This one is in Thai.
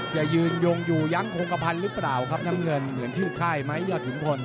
จะยืนยงอยู่ยั้งคงกระพันธ์หรือเปล่าครับน้ำเงินเหมือนชื่อค่ายไหมยอดขุนพล